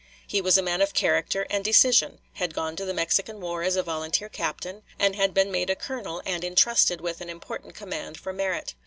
He was a man of character and decision, had gone to the Mexican war as a volunteer captain, and had been made a colonel and intrusted with an important command for merit.